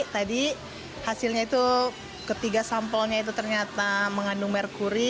tadi hasilnya itu ketiga sampelnya itu ternyata mengandung merkuri